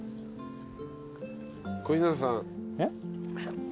小日向さん。